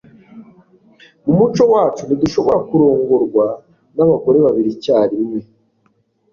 Mu muco wacu, ntidushobora kurongorwa nabagore babiri icyarimwe.